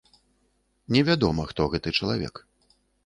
Невядома, хто гэты чалавек.